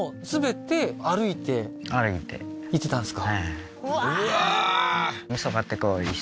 行ってたんですか？